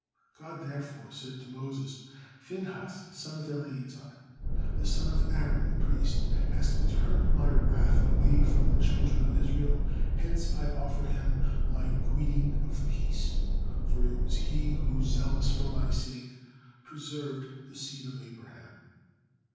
God therefore said to Moses, "Phinehas the son of Eleazar, the son of Aaron the priest, hast turned My wrath away from the children of Israel, hence I offer him My greeting of peace, for it was he who, zealous for My sake, preserved the seed of Abraham."